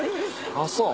あっそう。